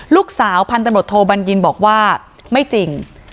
พันธุ์ตำรวจโทบัญญินบอกว่าไม่จริง